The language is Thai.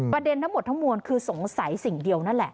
ทั้งหมดทั้งมวลคือสงสัยสิ่งเดียวนั่นแหละ